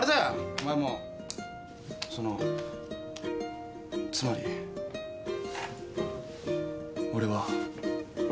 お前もそのつまり俺は。